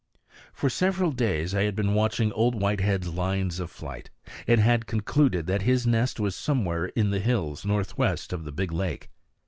For several days I had been watching Old Whitehead's lines of flight, and had concluded that his nest was somewhere in the hills northwest of the big lake.